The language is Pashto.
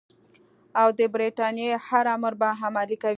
او د برټانیې هر امر به عملي کوي.